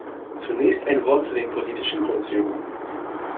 Zunächst ein Wort zu den politischen Grundzügen.